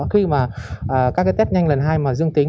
khi mà các cái test nhanh lần hai mà dương tính